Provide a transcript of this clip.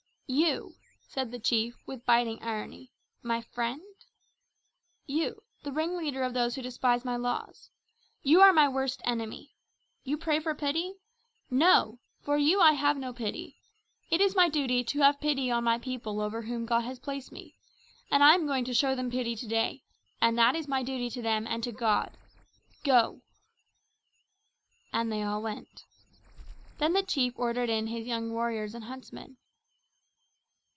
"You," said the chief with biting irony, "my friend? You the ringleader of those who despise my laws. You are my worst enemy. You pray for pity? No! for you I have no pity. It is my duty to have pity on my people over whom God placed me, and I am going to show them pity to day; and that is my duty to them and to God.... Go!" And they all went. Then the chief ordered in his young warriors and huntsmen.